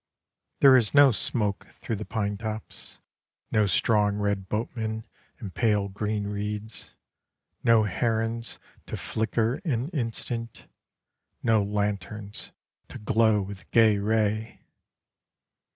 There is no smoke through the pine tops, No strong red boatmen in pale green reeds, No herons to flicker an instant, No lanterns to glow with gay ray.